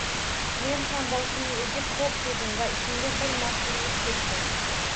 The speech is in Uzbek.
Men ham boshimni egib, xo‘p, dedim va ichimga bir mahzunlik cho‘kdi